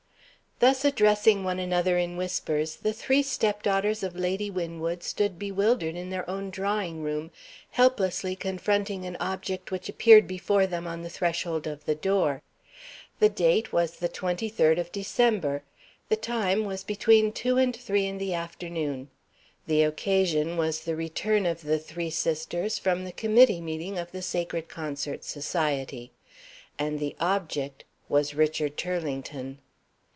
Thus addressing one another in whispers, the three stepdaughters of Lady Winwood stood bewildered in their own drawing room, helplessly confronting an object which appeared before them on the threshold of the door. The date was the 23d of December. The time was between two and three in the afternoon. The occasion was the return of the three sisters from the Committee meeting of the Sacred Concerts' Society. And the object was Richard Turlington.